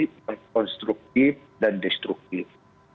kita klasifikasi konstruktif dan destruktif